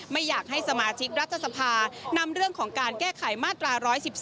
ไม่อยากให้สมาชิกรัฐสภานำเรื่องของการแก้ไขมาตรา๑๑๒